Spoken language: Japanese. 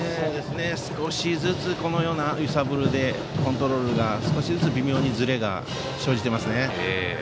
少しずつ、揺さぶりでコントロールが少しずつ微妙にずれが生じています。